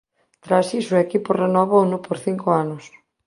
Tras iso o equipo renovouno por cinco anos.